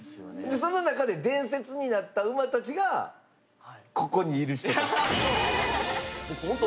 でその中で伝説になったウマたちがここにいる人たち。